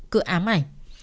cựa ám ảnh